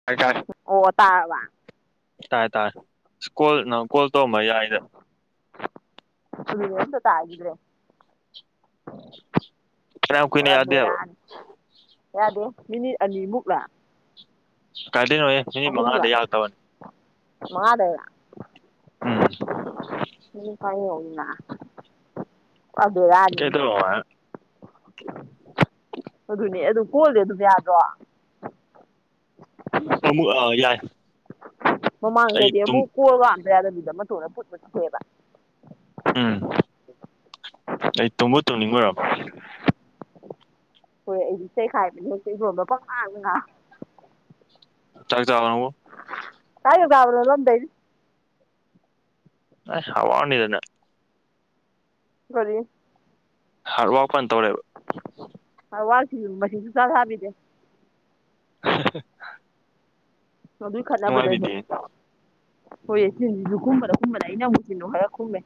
[unintelligible] ꯑꯣ ꯇꯥꯔꯕ ꯇꯥꯔꯦ ꯇꯥꯔꯦ ꯑꯁ ꯀꯣꯜ ꯅꯪ ꯀꯣꯜ ꯇꯧꯔꯝꯕ ꯌꯥꯏꯗ ꯆꯨꯔꯁꯨ ꯇꯥꯒꯤꯗ꯭ꯔꯦ ꯐꯅꯌꯥꯝ ꯀꯨꯏꯅ ꯄꯨꯔꯥ ꯌꯥꯗꯦꯕ ꯚꯦꯔꯥꯅꯤ ꯌꯥꯗꯦ ꯃꯤꯅꯤꯠ ꯑꯅꯤꯃꯨꯛꯂꯥ ꯀꯥꯏꯗꯅꯣ ꯃꯤꯅꯤꯠ ꯃꯉꯥꯗ ꯌꯥꯗꯕꯅꯤ ꯃꯉꯥꯗꯩꯔ ꯎꯝ ꯎ ꯀꯥꯏꯅ ꯄꯨꫪꯥ ꯚꯦꯔꯥꯅꯤ ꯑꯣꯏ ꯑꯗꯨꯅꯦ ꯑꯗꯨ ꯀꯣꯜꯗꯤ ꯑꯗꯨꯝ ꯌꯥꯗ꯭ꯔꯣ ꯑꯃꯨꯛ ꯌꯥꯏ ꯑꯩ ꯃꯃꯥꯡꯗꯗꯤ ꯇꯨꯝ ꯑꯃꯨꯛ ꯀꯣꯂꯒ ꯑꯝꯗ ꯌꯥꯗꯕꯤꯗ ꯑꯃ ꯇꯧꯔ ꯄꯨꯠ ꯄꯨꯠ [unintelligible] ꯎꯝ ꯑꯩ ꯇꯣꯕꯨ ꯇꯣꯡꯅꯤꯕꯩꯔꯣ ꯍꯣꯏ ꯑꯩꯗꯤ ꯆꯩꯈꯥꯏꯕꯅꯦꯁ ꯏꯔꯣꯟ ꯃ ꯄꯪꯉꯥꯡꯗꯒ ꯆꯥꯛ ꯆꯥꯔꯕꯣ ꯀꯥꯏꯗ ꯆꯥꯕꯅꯣ [unintelligible] ꯑꯁ ꯍꯥꯎꯔꯅꯤꯗꯅ ꯀꯔꯤ ꯍꯥꯔꯠ ꯋꯥꯔꯛꯄꯥꯟ ꯇꯧꯔꯦꯕ ꯍꯥꯎ ꯋꯥꯁꯤ ꯃꯁꯟꯁꯨ ꯆ ꯍꯥꯕꯤꯗꯦ [unintelligible] ꯃꯗꯨꯏ ꯈꯟꯅꯕꯗꯗꯤ ꯅꯨꯡꯉꯥꯏꯕꯤꯗꯦ ꯍꯣꯏꯌꯦ ꯆꯤꯟꯁꯤꯁꯨ ꯀꯨꯝꯕꯅ ꯀꯨꯝꯕꯅ ꯑꯩꯅ ꯑꯃꯨꯛꯁꯤꯅꯨ ꯈꯔ ꯈꯨꯝꯃꯦ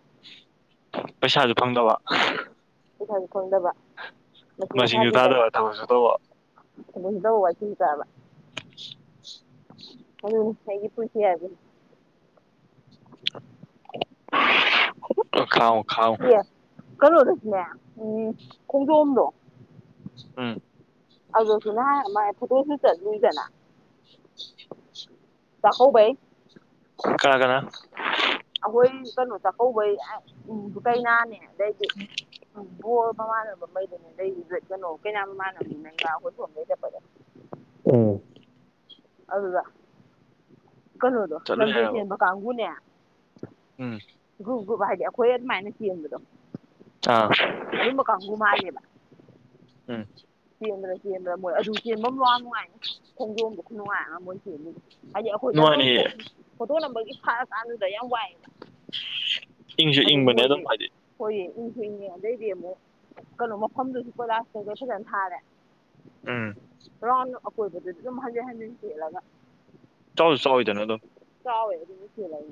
ꯄꯩꯁꯥꯁꯨ ꯐꯪꯗꯕ ꯄꯩꯁꯥꯁꯨ ꯐꯪꯗꯕ ꯃꯁꯤꯡꯁꯨ ꯊꯥꯕꯤꯗꯕ ꯇꯥꯗꯕ ꯊꯕꯛꯁꯨ ꯇꯧꯕ ꯗ ꯋꯥ ꯁꯤ ꯆꯥꯕ [unintelligible] ꯑꯗꯨꯅꯤ ꯑꯩꯒꯤ ꯄꯨꯟꯁꯤ ꯍꯥꯏꯁꯦ ꯈꯥꯎ ꯑꯦ ꯀꯩꯅꯣꯗꯁꯨꯅꯦ ꯎꯝ ꯈꯣꯡꯖꯣꯝꯗꯣ ꯎꯝ ꯑꯗꯁꯨꯅ ꯃꯥꯏ ꯃꯥꯏ ꯐꯣꯇꯣꯁꯨꯠ ꯆꯠꯂꯤꯗꯅ ꯆꯥꯀꯧꯕꯩ ꯀꯅꯥ ꯀꯅꯥ ꯑꯍꯣꯏ ꯆꯠꯂꯣ ꯆꯥꯀꯧꯕꯩ ꯎꯝ ꯀꯩꯅꯥꯅꯦ ꯑꯗꯩꯗꯤ ꯎ ꯕꯣꯔ ꯃꯃꯥꯟꯅꯕ ꯃꯩꯗꯨꯅꯦ ꯀꯩꯅꯣ ꯀꯩꯅꯥ ꯃꯥꯟꯅꯕꯅꯤꯅ ꯏꯃꯥ ꯑꯩꯈꯣꯏꯁꯨꯝꯗꯩ ꯆꯠꯄꯗꯣ ꯎꯝ ꯑꯗꯨꯗ ꯀꯩꯅꯣ ꯆꯠꯂꯨꯏ ꯍꯥꯏꯔꯕ ꯅꯝꯖꯦꯁꯤꯕ ꯀꯥꯒꯨꯅꯦ ꯎꯝ ꯒꯨ ꯒꯨ ꯍꯥꯏꯗꯤ ꯑꯩꯈꯣꯏ ꯑꯗꯨꯃꯥꯏꯅ ꯊꯕꯗ ꯑꯗꯨꯣ ꯑꯥ ꯑꯗꯨꯝꯕ ꯀꯪꯨ ꯃꯥꯜꯂꯦꯕ ꯎꯝ ꯆꯦꯟꯗꯅ ꯆꯦꯟꯗꯅ ꯃꯣꯏ ꯑꯗꯨ ꯆꯦꯟꯕ ꯑꯃꯅꯨꯡ ꯅꯨꯡꯉꯥꯏ ꯈꯣꯡꯗꯣꯝꯝꯕ ꯈꯨ ꯅꯨꯡꯉꯥꯏꯔꯒ ꯃꯣꯏ ꯆꯦꯟꯃꯤ ꯍꯥꯏꯗꯤ ꯑꯩꯈꯣꯏꯗ ꯑꯗꯨꯝ ꯅꯨꯡꯉꯥꯏꯅꯤꯌꯦ ꯐꯣꯇꯣꯛꯅꯕꯒꯤ ꯐꯔꯀꯥꯟꯗꯨꯗ ꯌꯥꯝ ꯋꯥꯏꯑꯕ ꯏꯪꯁꯨ ꯑꯗꯨꯗ ꯏꯪꯕꯅꯦ ꯑꯗꯨꯝ ꯃꯣꯏꯗꯤ ꯍꯥꯏꯗꯤ ꯍꯣꯏꯌꯦ ꯏꯁꯨ ꯏꯅꯦ ꯑꯗꯩꯗꯤ ꯑꯃꯨꯛ ꯀꯩꯅꯣ ꯃꯐꯝꯗꯨꯁꯨ ꯀꯂꯥꯁꯇꯈꯣꯏ ꯐꯖꯅ ꯊꯥꯔꯦ ꯎꯝ ꯔꯥꯎꯟ ꯑꯀꯣꯏꯕꯗꯗꯤ ꯑꯗꯨꯝ ꯍꯟꯖꯤꯦꯟ ꯍꯟꯖꯤꯟ ꯆꯠꯂꯒ ꯆꯠꯂ ꯆꯠꯣꯏꯗꯣꯏꯅ ꯑꯗꯣ ꯇꯥꯎꯌꯦ ꯑꯗꯨꯁꯤꯂ ꯏ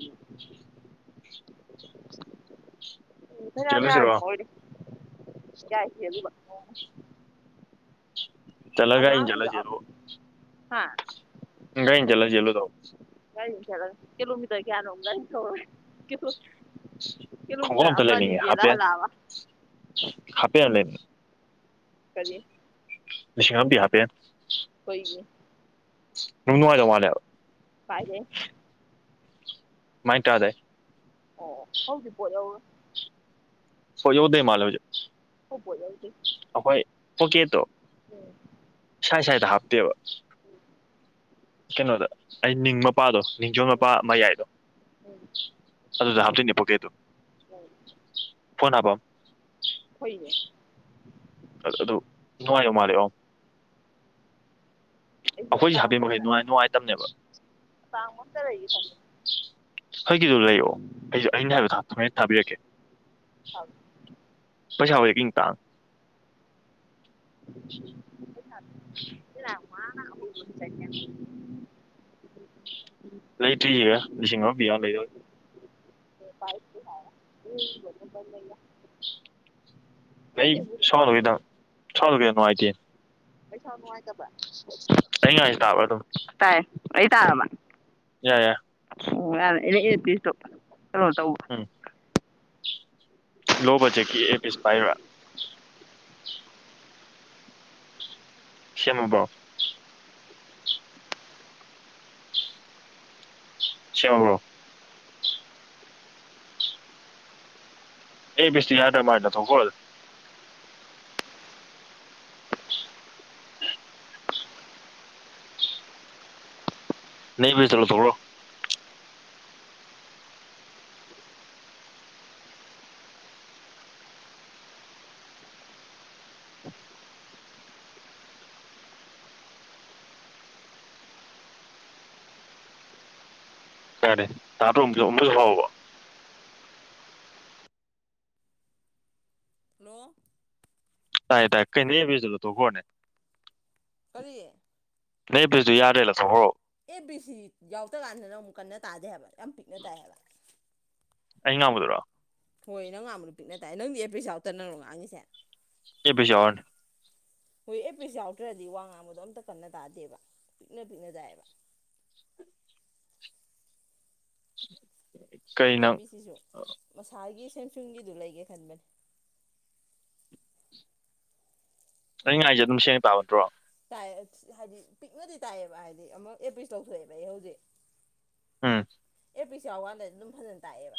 ꯏ ꯐ ꯌꯥꯝ ꯆꯦꯜꯂꯨꯁꯤꯔꯣ ꯌꯥꯃꯤꯗꯤ ꯀꯥꯏꯈꯤ ꯑꯗꯨꯒ ꯆꯠꯂꯒ ꯑꯂ ꯑꯩꯅ ꯆꯠꯂꯁꯦ ꯍꯥ ꯉ ꯆꯂ ꯖꯂꯣ ꯇꯧ ꯀ ꯆꯂ ꯀꯂꯣꯃꯤꯗ ꯀꯌꯥꯅ ꯊ ꯀꯂꯣ ꯀꯂꯗꯕꯟꯗꯦꯂꯂꯕ ꯍꯥꯄꯦ ꯑꯂꯦꯟ [inaudible] ꯅꯤꯡꯕꯤ ꯌꯥ ꯄꯦ ꯍꯣꯏꯅꯦ ꯅꯨꯡ ꯅꯨꯡꯉꯥꯏꯖꯧ ꯃꯥꯅꯦꯕ ꯄꯥꯏꯗꯦ ꯃꯥꯏ ꯇꯗꯦ ꯑꯣ ꯑꯣ ꯍꯧꯖꯤꯛ ꯄꯣꯠ ꯌꯧꯔꯦ ꯁ ꯌꯣꯗꯩ ꯃꯥꯜꯂꯣꯏꯌꯦ [unintelligible] ꯑꯍꯣꯏ ꯑꯣꯀꯦ ꯇꯣ ꯎꯝ ꯁ꯭ꯋꯥꯥꯏ ꯁ꯭ꯋꯥꯏꯗ ꯍꯥꯞꯇꯦꯕ ꯀꯩꯅꯣꯗ ꯑꯩ ꯅꯤꯡ [unintelligible] ꯃꯄꯥꯗꯣ ꯅꯤꯡꯖꯣ ꯃꯄꯥ ꯃꯌꯥꯏꯗꯣ ꯎꯝ ꯑꯗꯨꯗ ꯍꯥꯞꯇꯣꯏꯅꯦ ꯄꯣꯀꯦꯠꯇꯣ [unintelligible] ꯐꯣꯟ ꯍꯥꯞꯐꯝ ꯍꯣꯏꯅꯦ ꯑꯗꯨ ꯅꯨꯡꯉꯥꯏꯗꯨ ꯃꯥꯜꯂꯦ [unintelligible] ꯑꯩꯁꯨ ꯑꯩꯈꯣꯏꯁꯦ ꯍꯥꯞꯄꯦꯟ ꯑꯇꯥꯥꯡꯕ ꯃꯈꯩ ꯑꯃꯇꯥ ꯅꯨꯡꯉꯥꯏ ꯅꯨꯡꯉꯥꯏꯇꯕꯅꯦꯕ ꯑꯇꯥꯡꯕ ꯑꯃꯇꯥ ꯂꯩꯒꯦ ꯇꯧꯕꯅꯦ ꯑꯩꯈꫭꯏꯒꯤꯗꯨ ꯂꯩꯑꯣ ꯑꯩꯁꯨ ꯑꯩꯅ ꯍꯥꯏꯕꯗꯨ ꯊꯥꯕꯤꯔꯛꯀꯦ ꯄꯩꯁꯥꯕꯨꯗꯤ ꯏꯟ ꯇꯥꯡ [unintelligible] [inaudible] ꯂꯩꯇ꯭ꯔꯤꯌꯦ ꯂꯤꯁꯤꯡ ꯑꯃ ꯄꯤꯕ ꯑꯃ ꯂꯩꯔ [unintelligible] [unintelligible] ꯄꯥꯏ ꯍꯥꯏ [unintelligible] ꯑꯩ ꯁꯣꯠꯂꯨꯒꯦ ꯇꯧ ꯁꯣꯠꯂꯨꯒꯦ ꯅꯨꯡꯉꯥꯏꯇꯦ ꯄꯩꯁꯥ ꯅꯨꯡꯉꯥꯏꯇꯕ ꯑꯩꯅ ꯉꯥꯡꯉꯤꯁꯦ ꯇꯥꯕ꯭ꯔꯥ ꯑꯗꯨꯝ ꯇꯥꯏ ꯑꯩ ꯇꯥ꯭ꯔꯕ ꯌꯥꯏ ꯌꯥꯏ ꯑꫭ ꯉꯔꯥꯡ ꯑꯩꯅ ꯏꯌꯔꯄꯤꯁꯇꫭ ꯀꯩꯅꫭ ꯇꯧꯕ ꯎꯝ ꯂꫭ ꯕꯖꯦꯠꯀꯤ ꯏꯌꯔꯄꯤꯁ ꯄꯥꯏꯕ ꯁꯦꯝꯃꯥꯕꯣ ꯁꯦꯝꯃꯥꯕ꯭ꯔꯣ ꯑꯦꯄꯤꯁꯇꯨ ꯌꯥꯗꯔ ꯃꯥꯜꯂꯦ ꯂꯥꯡꯊꫭꯛꯈꯔꫭ [unintelligible] ꯅꯪ ꯑꯦꯄꯤꯁꯇꫭ ꯂꯧꯊꯣꯛꯈ꯭ꯔꯣ ꯌꯥꯔꯦ ꯇꯥꯇꯣ [unintelligible] ꯃꯔꯨꯞ ꯍꯥꯎꯔꯕꫭ ꯍꯜꯂꯣ ꯇꯥꯏ ꯇꯥꯏ ꯀꯩꯩꯅꯣ ꯑꯦꯄꯤꯁꯇꯣ ꯂꯧꯊꯣꯛꯈ꯭ꯔꯣꯅꯦ ꯀꯔꯤ ꯅꯪ ꯑꯦꯄꯤꯁꯇꯨ ꯌꯥꯗꯔꯦ ꯂꯧꯊꯣꯛꯈꯔꫭ ꯑꯦꯄꯤꯁꯤ ꯌꯥꯎꯗ ꯀꯥꯟꯗꯅ ꯑꯃꯨꯛ ꯀꯟꯅ ꯇꯥꯗꯦ ꯍꯥꯏꯕ ꯌꯥꯝ ꯄꯤꯛꯅ ꯇꯥꯏꯑꯕ ꯑꯩꯅ ꯉꯥꯡꯕꯗꯔꯣ ꯍꯣꯏ ꯅꯪ ꯉꯥꯡꯕꯗꫭ ꯄꯤꯛꯅ ꯇꯥꯏ ꯅꯪꯗꯤ ꯑꯦꯄꯤꯁ ꯌꯥꯎꯇꯅꯔꯣ ꯉꯥꯡꯉꯤꯁꯦ ꯑꯦꯄꯤꯁ ꯌꯥꯎꯔꯅꯤ ꯍꯣꯏ ꯑꯦꯄꯤꯁ ꯌꯥꯎꯗ꯭ꯔꯗꯤ ꯋꯥ ꯉꯥꯡꯕꯗꯣ ꯑꯝꯇ ꯀꯟꯅ ꯇꯥꯗꯦꯕ ꯄꯤꯛꯅ ꯄꯤꯛꯅ ꯇꯥꯏꯑꯌꯦꯕ [inaudible] ꯑꯦꯄꯤꯁꯤꯁꯨ ꯃꯁꯥꯒꯤ ꯁꯦꯝꯁꯨꯡꯒꯤꯗꯨ ꯂꯩꯒꯦ ꯈꯟꯕꯅꯤ ꯑꯩꯅ ꯉꯥꯡꯉꯤꯁꯦ ꯑꯗꯨꯝ ꯁꯦꯡꯅ ꯇꯥꯕ ꯅꯠꯇꯔꯣ ꯇꯥꯏ ꯍꯥꯏꯗꯤ ꯄꯤꯛꯅꯗꯤ ꯇꯥꯏꯑꯦꯕ ꯍꯥꯏꯗꯤ ꯑꯃꯨꯛ ꯑꯦꯄꯤꯁ ꯇꯧꯊꯣꯛꯑꯦꯕ ꯑꯩ ꯍꯧꯖꯤꯛ ꯎꯝ ꯑꯦꯄꯤꯁ ꯌꯥꯎ ꯀꯥꯟꯗꯗꯤ ꯑꯗꯨꯝ ꯐꯖꯥꯅ ꯇꯥꯏꯌꯦꯕ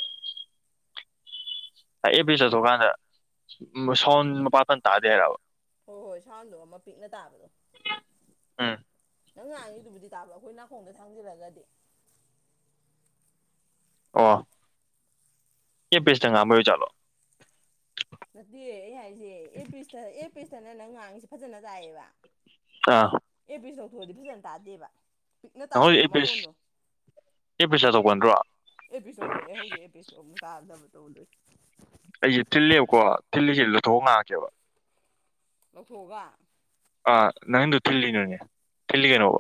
ꯑꯦꯄꯤꯁ ꯂꯥꯎꯊꯣꯛꯀꯥꯟꯗ ꯁꯥꯎꯟ ꯃꯄꯥꯇꯟ ꯇꯥꯗꯦ ꯍꯥꯏꯔꯕ ꯍꯣꯏ ꯍꯣꯏ ꯁꯥꯎꯟꯗꯣ ꯑꯃ ꯄꯤꯛꯅ ꯇꯥꯕꯗꯣ ꯎꯝ ꯅꯪ ꯉꯥꯡꯉꯤꯗꯨꯕꯨꯗꯤ ꯇꯥꯕ ꯑꯩꯈꯣꯏ ꯅꯀꫭꯟꯗ ꯊꯥꯡꯖꯤꯜꯂꯒꯗꯤ ꯑꫭ ꯑꯦꯄꯤꯁꯇ ꯉꯥꯡꯕꯩ ꯑꫭꯏ ꯖꯥꯠꯂꯣ ꯅꯠꯇꯦ ꯑꯩꯅ ꯍꯥꯏꯔꯤꯁꯦ ꯑꯦꯄꯤꯁꯇ ꯑꯦꯄꯤꯁꯇꯅ ꯅꯪ ꯉꯥꯡꯉꯁꯤ ꯐꯖꯅ ꯇꯥꯏꯑꯌꯦꯕ [unintelligible] ꯑꯦ ꯄꯁ ꯂꯧꯧꯊꯣꯛꯑꯗꯤ ꯐꯖꯅ ꯇꯥꯗꯦꯕ ꯄꯤꯛꯅ ꯅꯪꯈꯣꯖꯤꯛ ꯇꯥꯕꯗꯣ ꯑꯦ ꯄꯁ ꯃꯈꯣꯟꯗꯣ ꯑꯦ ꯄꯁ ꯆꯥꯊꯣꯛꯄ ꯅꯠꯇ꯭ꯔꯣ ꯑꯦꯄꯤꯁꯣꯗꯁꯦ ꯍꯧꯖꯤꯛ ꯑꯦꯄꯤꯁꯣꯗ ꯀꯥꯗꯕ ꯇꯧꯗꯣꯏ ꯑꯩꯁꯦ ꯊꯤꯜꯂꯦꯕꯀꯣ ꯊꯤꯜꯜꯂꯤꯁꯦ ꯂꯧꯊꯣꯛ ꯉꯥꯛꯀꯦꯕ ꯂꯧꯊꯣꯛꯑꯒ ꯑꯥ ꯅꯪꯗꯨ ꯊꯤꯜꯂꯤꯅꯣꯅꯦ ꯊꯤꯜꯂꯤꯒꯩꯅꯣꯕ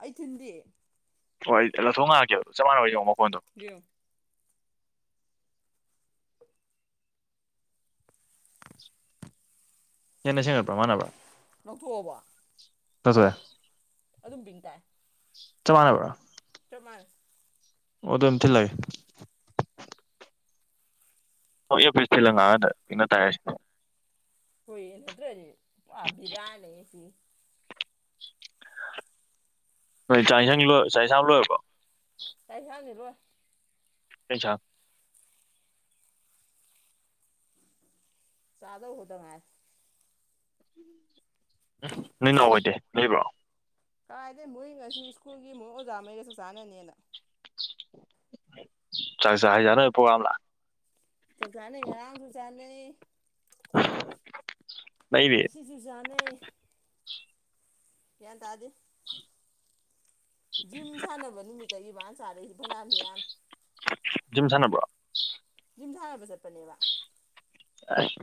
ꯑꯩ ꯊꯤꯟꯗꯤ ꯍꯣꯏ ꯂꯧꯊꯣꯛ ꯉꯥꯛꯑꯦ ꯑꯗꯨ ꯆꯞꯥꯟꯅꯕ ꯌꯦꯡꯉ ꯃꯈꯣꯟꯗꯣ ꯌꯎ ꯍꯦꯟꯅ ꯁꯦꯡꯒꯠ꯭ꯔ ꯃꯥꯟꯅꯕꯥ ꯂꯧꯊꯣꯛꯑꯕ ꯀꯆꯦ ꯑꯗꯨꯝ ꯄꯤꯡ ꯇꯥꯏ ꯆꯃꯅꯕ ꯇꯃꯥꯡ ꯑꯣ ꯑꯗꯨꯝ ꯊꯤꯜꯂꯥꯒꯦ ꯍꯣꯏ ꯌꯐꯁ ꯊꯤꯂꯪꯉꯥꯗ ꯄꯅ ꯇꯥꯏꯔꯁꯦ ꯍꯨꯏꯌꯦ ꯅꯠꯇ꯭ꯔꯗꯤ ꯕꯤꯔꯌꯥꯅꯤꯁꯤ ꯍꯣꯏ ꯆꯥꯛ ꯌꯦꯟꯁꯪ ꯂꯣꯏꯔ ꯆꯥꯛ ꯏꯟꯥꯡ ꯂꯣꯏꯔꯕꯣ ꯀꯥꯏꯁꯪꯅꯤꯔꯣꯏ ꯀꯩ ꯆ ꯆꯥꯗꯧ ꯈꯛꯇ ꯉꯥꯏ ꯅꯣꯏ ꯅꯥꯎ ꯑꯣꯏꯗꯦ ꯂꯩꯕ꯭ꯔꯣ ꯀꯥꯏꯗꯒꯤ ꯃꯣꯏ ꯉꯁꯤ ꯁ꯭ꯀꯨꯜꯒꯤ ꯃꯣꯏ ꯑꯣꯖꯥꯉꯩꯗ ꯆꯥꯛ ꯆꯥꯅꯅꯦꯅ ꯆꯥꯛ ꯆꯥ ꯍꯩꯖ ꯅꯕꯩ ꯄ꯭ꯔꯣꯒꯥꯝ ꯂ ꯆꯥꯛ ꯆꯥꯅꯩ ꯉꯔꯥꯡꯁꯨ ꯆꯥꯅꯩ [unintelligible] ꯂꯩꯔꯤ ꯉꯁꯤꯁꯨ ꯆꯥꯅꯩ ꯒ꯭ꯌꯥꯟ ꯇꯗꯦ ꯖꯤꯝ ꯁꯥꯟꯅꯕ ꯅꯨꯃꯤꯠꯇꯒꯤ ꯏ ꯃꯥꯅ ꯆꯥꯔꯁꯤ ꯐꯅꯥꯃꯤꯌꯥꯝ ꯖꯤꯝ ꯁꯅꯕ꯭ꯔꯣ ꯖꯤꯝ ꯁꯥꯟꯅꯕ ꯆꯠꯄꯅꯦꯕ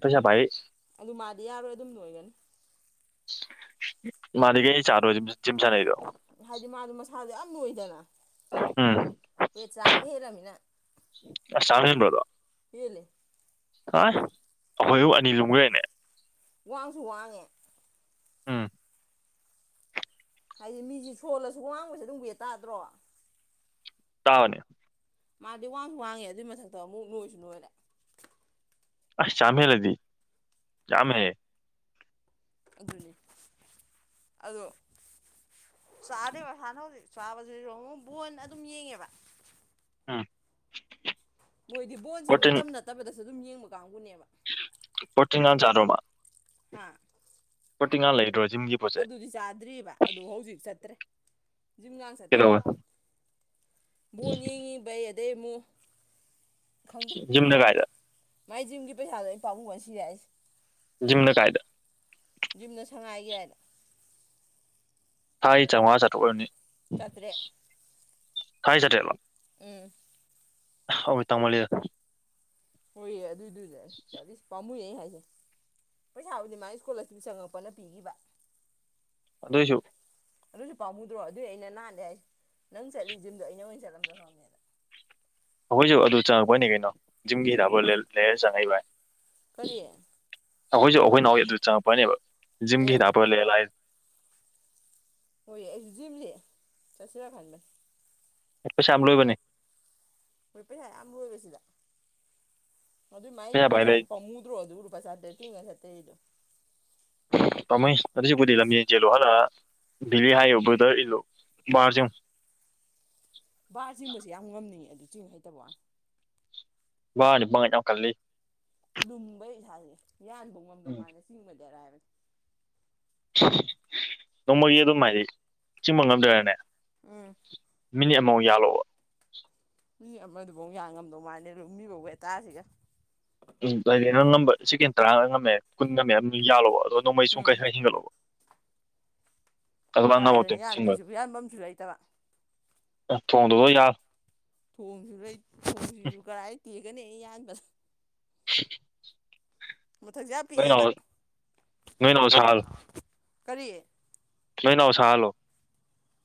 ꯄꯩꯁ ꯄꯥꯏꯔꯤ ꯑꯗꯨ ꯃꯥꯗꯤ ꯌꯥꯔꯣꯏ ꯑꯗꯨꯝ ꯅꯣꯏꯒꯅꯤ ꯃꯥꯗꯤ ꯀꯩ ꯆꯥꯗ꯭ꯔꯣ ꯖꯤꯝ ꯁꯥꯟꯅꯩꯗꯣ ꯍꯥꯏꯗꯤ ꯃꯥꯗꯣ ꯃꯁꯥꯗꯣ ꯌꯥꯝ ꯂꯣꯏꯗꯅ ꯎꯝ ꯍꯋꯦꯠ ꯆꯥ ꯑꯃ ꯍꯦꯔꯝꯃꯤꯅ ꯑꯁ ꯆꯥꯝ ꯍꯦꯟꯕ꯭ꯔꯦꯗꯣ ꯍꯦꯜꯂꯤ ꯑ ꯑꯩꯈꯣꯏ ꯑꯅꯤ ꯂꯨꯝꯈ꯭ꯔꯦꯅꯦ ꯋꯥꯡꯁꯨ ꯋꯥꯡꯉꯦ ꯎꯝ ꯍꯥꯏꯗꯤ ꯃꯤꯁꯤ ꯁꯣꯜꯂꯁꯨ ꯋꯥꯡꯕꯁꯦ ꯑꯗꯨꯝ ꯋꯦꯠ ꯇꯥꯗ꯭ꯔꯣ ꯇꯥꯕꯅꯦ ꯃꯥꯗꯤ ꯋꯥꯡꯁꯨ ꯋꯥꯡꯉꯦ ꯑꯗꯨꯏ ꯃꯊꯛꯇ ꯑꯃꯨꯛ ꯅꯣꯏꯁꯨ ꯅꯣꯏꯔꯦ ꯑꯁ ꯆꯥꯝꯍꯦꯜꯂꯗꯤ ꯆꯥꯝꯃꯦ ꯍꯦ ꯑꯗꯨꯅꯤ ꯑꯗꯣ ꯆꯥꯗꯦꯕ ꯍꯥꯟꯅ ꯍꯧꯖꯤꯛ ꯆꯥꯕꯁꯤ ꯑꯃꯨꯛ ꯕꯣꯟꯅ ꯑꯗꯨꯝ ꯌꯦꯡꯉꯦꯕ ꯎꯝ ꯃꯣꯏꯗꯤ ꯕꯣꯟꯁꯦ ꯄ꯭ꯔꯣꯇꯤꯟ ꯃꯇꯝ ꯅꯠꯇꯕꯗꯁꯨ ꯑꯗꯨꯝ ꯌꯦꯡꯕ ꯀꯥꯡꯕꯨꯅꯦꯕ ꯄ꯭ꯔꯣꯇꯤꯟꯒ ꯆꯥꯗ꯭ꯔꯣ ꯕ ꯍꯥ ꯄꯣꯇꯤ ꯉꯥ ꯂꯩꯗ꯭ꯔꯣꯖꯤꯝꯒꯤ ꯑꯗꯨꯗꯤ ꯆꯥꯗ꯭ꯔꯤꯑꯕ ꯑꯗꯨ ꯍꯧꯖꯤꯛ ꯆꯠꯇ꯭ꯔꯦ ꯖꯤꯝꯒꯥ ꯆꯠꯇꯦ ꯃꯥ ꯀꯩꯗꯧꯕ ꯕꯣꯟ ꯌꯦꯡꯉꯤꯕꯩ ꯑꯗꯩ ꯑꯃꯨꯛ ꯈꯪꯗꯦ ꯖꯤꯝꯅꯒꯥꯏꯗ ꯃꯥꯏ ꯖꯤꯝꯒꯤ ꯄꯩꯁꯥꯗꯣ ꯑꯩ ꯄꯥꯝꯃꯨꯕꯅ ꯁꯤꯔꯦ ꯌꯥꯏꯁꯦ ꯖꯤꯝꯅ ꯀꯥꯏꯗ ꯖꯤꯝꯅ ꯁꯉꯥꯏꯒꯤꯔ ꯍꯥꯏꯗ ꯊꯥꯒꯤ ꯆꯧꯉꯥ ꯆꯇ꯭ꯔꯨꯛ ꯑꯣꯏꯔꯝ ꯅꯤ ꯆꯥꯇ꯭ꯔꯦꯠ ꯊꯥꯒꯤ ꯆꯥꯇ꯭ꯔꯦꯠ ꯂꯣ ꯎꯝ ꯑꯗꯨꯗꯤ ꯇꯥꯡꯃꯜꯂꯤꯗ ꯍꯣꯏꯌꯦ ꯑꯗꯨꯏꯗꯨꯅ‌ꯦ ꯆꯠꯂꯤꯁ‌ꯦ ꯄꯥꯝꯃꯨꯏ ꯌ‌ꯦ ꯑꯩꯅ ꯍꯥꯏꯁꯤꯅ‌ꯦ ꯄꯩꯁꯥꯕꯨꯗꯤ ꯃꯥꯒꯤ ꯏꯁꯀꯣꯂꯔꯁꯤꯞ ꯆꯪꯉꯛꯄꯅ ꯄꯤꯈꯤꯕ ꯑꯗꯨꯏꯁꯨ ꯑꯗꯨꯁꯨ ꯄꯥꯃꯨꯗ꯭ꯔꯣ ꯑꯗꯨꯏ ꯑꯩꯅ ꯍꯜꯂꯦ ꯍꯥꯏꯁꯦ ꯅꯪ ꯆꯠꯂꯤ ꯖꯤꯝꯗꯣ ꯑꯩꯅ ꯑꯣꯏꯅ ꯆꯠꯂꯝꯗꯕꯃꯦꯅ ꯑꯩꯈꯣꯏꯁꯨ ꯑꯗꯨ ꯆꯪꯉꯛꯄꯩꯅꯤ ꯀꯩꯅꯣ ꯖꯤꯝꯒꯤ ꯍꯤꯗꯥꯛ ꯂꯩꯔ ꯆꯪꯉꯛꯏꯚꯥꯏ ꯀꯔꯤ ꯑꯩꯈꯣꯏꯁꯨ ꯑꯩꯈꯣꯏ ꯅꯥꯎꯒꯤ ꯑꯗꯨ ꯆꯪꯉꯛꯄꯩꯅꯦꯕ ꯖꯤꯝꯒꯤ ꯎꯝ ꯍꯤꯗꯥꯛꯄ ꯂꯩꯔ ꯂꯥꯏ ꯍꯣꯏ ꯑꯩꯁꯨ ꯖꯤꯝꯂꯤ ꯆꯠꯁꯤꯔꯥ ꯈꯟꯕꯅꯦ ꯄꯩꯁꯥ ꯌꯥꯝ ꯂꯣꯏꯕꯅꯦ ꯍꯣꯏ ꯄꯩꯁ ꯌꯥꯝꯨ ꯂ‌ꯣꯏꯕꯔꯥꯁꯤꯗ ꯑꯗꯨꯏ ꯃꯥꯏ ꯄꯩꯁꯥ ꯄꯥꯏ ꯂꯩ ꯄꯩꯁꯥꯗꯨꯣ ꯐꯝꯃꯨꯗ꯭ꯔꯣ ꯑꯗꯨꯔꯕꯨ ꯂꯨꯄꯥ ꯆꯥꯇꯔ꯭‌ꯦꯠꯗ ꯇꯤꯡꯉ ꯆꯠꯇꯩꯗꯣ ꯄꯥꯝꯃꯨꯏ ꯑꯗꯨꯏꯁꯔꯨꯛ ꯄꯨꯗꯤ ꯂꯝꯖꯦꯜ ꯆꯦꯜꯂꯣ ꯍꯥꯜꯂꯛ ꯑꯒꯥ ꯕꯤꯜꯂꯤ ꯍꯥꯏꯌꯨ ꯕꯔꯗꯔ ꯏꯜꯂꯨ ꯕꯥꯔ ꯆꯤꯡꯉꯨ ꯕꯥꯔ ꯆꯤꯡꯕꯁꯦ ꯌꯥꯝ ꯉꯝꯅꯤꯡꯉꯦ, ꯑꯗꯨ ꯆꯤꯡ ꯍꯩꯇꯕꯩ ꯋꯥꯅꯦ ꯕꯥꯔꯅꯤ ꯄꯥꯡꯒꯥꯜ ꯌꯥꯝ ꯀꯜꯂꯤ ꯂꯨꯝꯕꯩ ꯏꯁꯥꯁꯦ ꯌꯥꯟꯕꯧ ꯉꯝꯗꯧ ꯎꯝ ꯃꯥꯜꯂꯦ ꯆꯤꯡꯕꯗꯤ ꯑꯔꯥꯏ ꯕꯅ‌ꯦ ꯅꯣꯡꯃꯒꯤ ꯑꯗꯨꯝ ꯍꯥꯏꯗꯤ ꯆꯤꯡꯕ ꯉꯝꯗ꯭ꯔꯅꯦ ꯎꯝ ꯃꯤꯅꯤꯠ ꯑꯃꯃꯨꯛ ꯌꯥꯜꯂꯛꯑꯣꯕ ꯃꯤ ꯑꯃꯗꯨꯐꯥꯎ ꯌꯥꯟꯉꯝꯗꯧ ꯃꯥꯜꯗ‌ꯦ ꯑꯗꯨ ꯃꯤ ꯋꯦꯠꯇꯥꯥꯔꯁꯤꯒ ꯎꯝ ꯅꯪꯝꯕ ꯁꯦꯀꯦꯟ ꯇꯔꯥ ꯉꯝꯃꯦ ꯀꯨꯟ ꯉꯝꯃꯦ ꯑꯗꯨꯝ ꯌꯥꯜꯂꯣꯕ ꯅꯣꯡꯃꯩ ꯁꯨꯡꯈꯥꯏ ꯎꯝ ꯍ ꯍꯤꯡꯒꯠꯂ‌ꯣꯕ ꯀꯗꯥꯥꯏꯗꯅ ꯌꯥꯟꯗꯣꯏꯁꯤꯕꯨ ꯌꯥꯟꯐꯝꯁꯨ ꯂꯩꯇꯕ ꯊꯣꯡꯗꯗꯣ ꯌꯥꯎ ꯊꯣꯡꯁꯨ ꯂꯩ [inaudible] ꯊꯣꯡꯁꯤꯁꯨ ꯀꯔꯥꯏ ꯇꯦꯒꯅꯤ ꯑꯩ ꯌꯥꯟꯕꯗ [inaudible] ꯃꯊꯛꯁ‌ꯦ ꯌꯥꯝ ꯅꯣꯏ ꯅꯥꯎ ꯄꯤꯛꯑꯦꯕ ꯅꯣꯏ ꯅꯥꯎ ꯁꯥꯍꯜꯂꯣ ꯀꯔꯤ ꯅ‌ꯣꯏꯅꯅꯥꯎ ꯁꯥꯍꯜꯂꯣ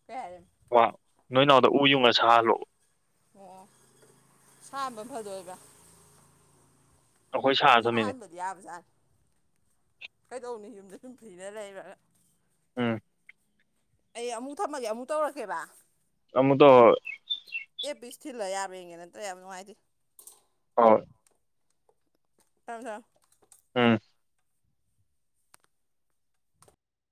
ꯀꯩ ꯍꯥꯏꯔꯤ ꯋꯥ ꯅꯣꯏ ꯅꯅꯥꯎꯗ ꯎ ꯌꯨꯡꯉ ꯁꯥꯍꯜꯂꯣꯑꯣ ꯑꯣ ꯁꯥꯝꯕ ꯐꯗꯣꯏꯕ ꯑꯩꯈꯣꯏ ꯁꯥꯔ ꯊꯝꯃꯤꯅꯦ ꯌꯥꯕ ꯖꯥꯠꯅꯤ ꯀꯩꯗꯧꯅꯤ ꯌꯨꯝꯗ ꯗꯨꯝ ꯐꯔꯤꯗ ꯂꯩꯕ꯭ꯔꯒ ꯎꯝ ꯑꯩ ꯑꯃꯨꯛ ꯊꯝꯃꯒꯦ ꯑꯃꯨꯛ ꯇꯧꯔꯛꯀꯦꯕ ꯑꯃꯣꯛ ꯇꯧ ꯑꯦ ꯄꯤꯁ ꯊꯤꯜꯂ ꯌꯥꯕ꯭ꯔꯥ ꯌ‌ꯦꯡꯒꯦ ꯅꯠꯇ꯭ꯔ ꯌꯥꯝ ꯅꯨꯡꯉꯥꯏꯇꯦ ꯑꯥ [unintelligible] ꯎꯝ